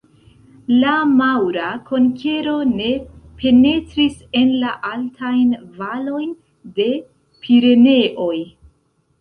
La maŭra konkero ne penetris en la altajn valojn de Pireneoj.